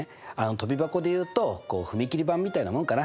とび箱でいうと踏み切り板みたいなもんかな。